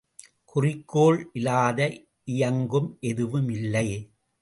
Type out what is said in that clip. குறிக்கோள் இலாது இயங்கும் எதுவும் இல்லை.